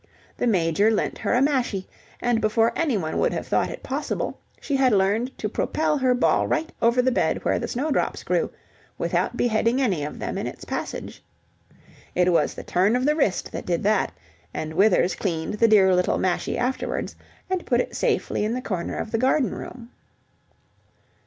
The Major lent her a mashie, and before anyone would have thought it possible, she had learned to propel her ball right over the bed where the snowdrops grew, without beheading any of them in its passage. It was the turn of the wrist that did that, and Withers cleaned the dear little mashie afterwards, and put it safely in the corner of the garden room.